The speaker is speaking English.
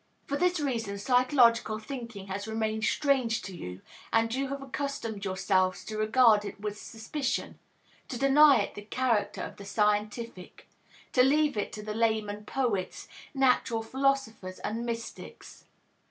For this reason psychological thinking has remained strange to you and you have accustomed yourselves to regard it with suspicion, to deny it the character of the scientific, to leave it to the laymen, poets, natural philosophers and mystics.